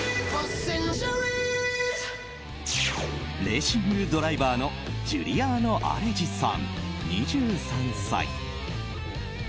レーシングドライバーのジュリアーノ・アレジさん２３歳。